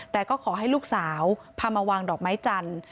แต่ก็ขอให้ลูกสาวพามาวางดอกไม้จันทร์